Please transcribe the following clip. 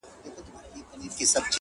زه نو بيا څنگه مخ در واړومه.